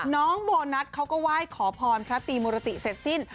น้องโบนัสเขาก็ไหว้ขอพรพระตีมุรติเสร็จสิ้น